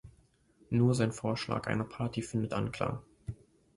Nur sein Vorschlag einer Party findet Anklang.